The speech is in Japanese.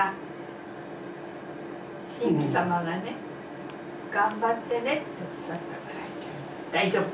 神父様がね頑張ってねっておっしゃったから大丈夫。